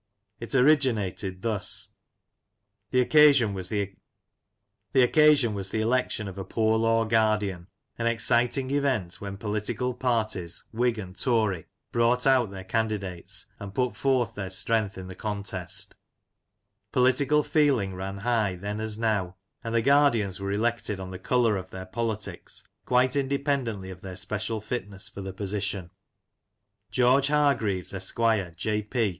It originated thus : The occasion was the election of a poor law guardian — an exciting event when political parties, Whig and Tory, brought out their candidates, and put forth their strength in the contest. Political feeling ran high then as now, and guardians were elected on the colour of their politics, quite independently of their special fitness for the V Some Lancashire Characters and Incidents. 147 position. George Hargreaves, Esquire, J. P.